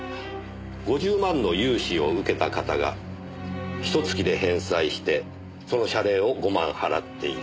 ５０万の融資を受けた方がひと月で返済してその謝礼を５万払っている。